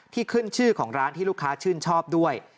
ขึ้นชื่อของร้านที่ลูกค้าชื่นชอบด้วย